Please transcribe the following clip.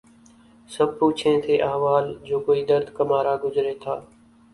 سب پوچھیں تھے احوال جو کوئی درد کا مارا گزرے تھا